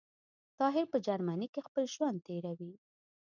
طاهر په جرمنی کي خپل ژوند تیروی